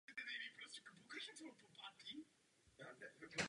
V současné době je užíván Církví československou husitskou a Pravoslavnou církví.